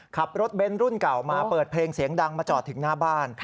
ขับรถเบ้นรุ่นเก่ามาเปิดเพลงเสียงดังมาจอดถึงหน้าบ้าน